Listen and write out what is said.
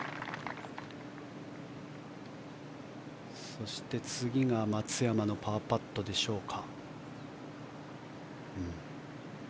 そして次が松山のパーパットでしょうか。